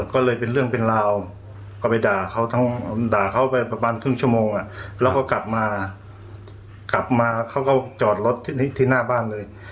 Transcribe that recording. เขาก็จอดรถในหน้าบ้านเลย